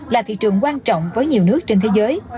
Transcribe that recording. là thị trường quan trọng với nhiều nước trên thế giới